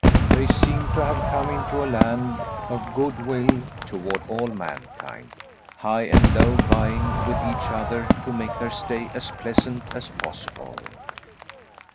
They seemed to have come into a land of good will toward all mankind; high and low vying with each other to make their stay as pleasant as possible.